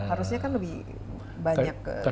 harusnya kan lebih banyak